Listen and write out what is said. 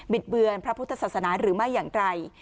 เบือนพระพุทธศาสนาหรือไม่อย่างไร